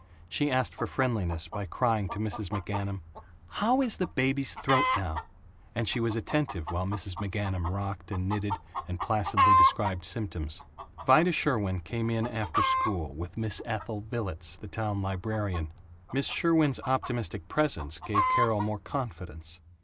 She asked for friendliness by crying to Mrs. McGanum, "How is the baby's throat now?" and she was attentive while Mrs. McGanum rocked and knitted and placidly described symptoms. Vida Sherwin came in after school, with Miss Ethel Villets, the town librarian. Miss Sherwin's optimistic presence gave Carol more confidence.